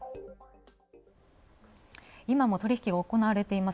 今も取引がおこなわれています